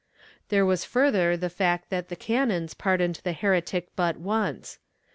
There was further the fact that the canons pardoned the heretic but once.